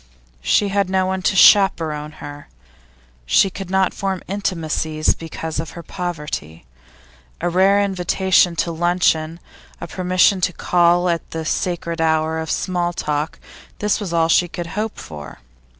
She had no one to chaperon her; she could not form intimacies because of her poverty. A rare invitation to luncheon, a permission to call at the sacred hour of small talk this was all she could hope for.